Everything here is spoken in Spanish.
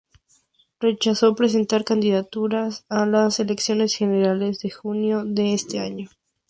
Rechazó presentar candidaturas a las elecciones generales de junio de ese año.